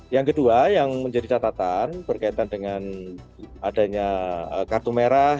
yang kedua yang menjadi catatan berkaitan dengan adanya kartu merah